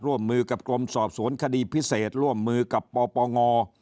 ร่วมมือกับกรมสอบสวนคดีพิเศษร่วมมือกับปปง